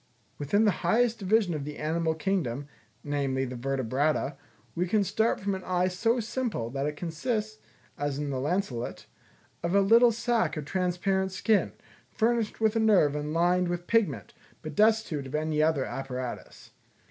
Within the highest division of the animal kingdom, namely, the Vertebrata, we can start from an eye so simple, that it consists, as in the lancelet, of a little sack of transparent skin, furnished with a nerve and lined with pigment, but destitute of any other apparatus.